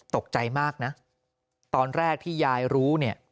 ตกใจมากตอนแรกที่ยายรู้